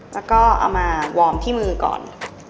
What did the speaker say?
แล้วก็เอามาวอร์มที่มือก่อน